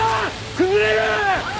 崩れる！